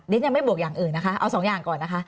ยังไม่บวกอย่างอื่นนะคะเอาสองอย่างก่อนนะคะ